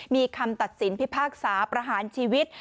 มีคำตัดสินพิพากษาประหารชีวิต